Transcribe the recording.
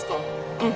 うん。